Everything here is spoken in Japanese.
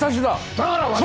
だから私が！